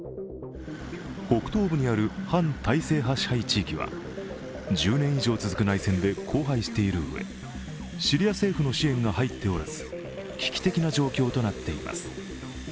北東部にある反体制派支配地域は１０年以上続く内戦で荒廃しているうえ、シリア政府の支援が入っておらず、危機的な状況となっています。